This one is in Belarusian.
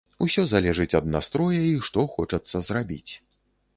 Усе залежыць ад настроя і што хочацца зрабіць.